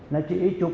là chị ấy chụp